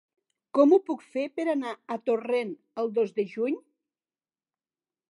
Com ho puc fer per anar a Torrent el dos de juny?